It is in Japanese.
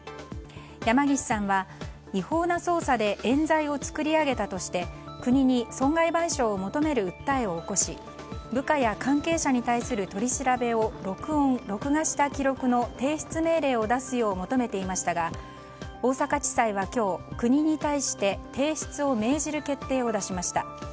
山岸さんは違法な捜査でえん罪を作り上げたとして国に損害賠償を求める訴えを起こし部下や関係者に対する取り調べを録音・録画した記録の提出命令を出すよう求めていましたが大阪地裁は今日、国に対して提出を命じる決定を出しました。